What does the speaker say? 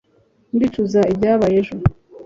ndicuza ibyabaye ejo